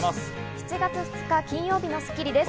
７月２日、金曜日の『スッキリ』です。